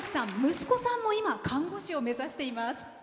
息子さんも今、看護師を目指してます。